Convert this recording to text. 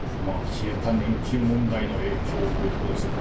消えた年金問題の影響ということでしょうか。